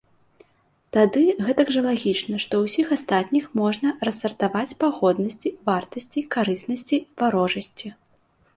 Тады гэтак жа лагічна, што ўсіх астатніх можна рассартаваць па годнасці, вартасці, карыснасці, варожасці.